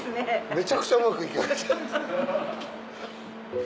めちゃくちゃうまくいきました。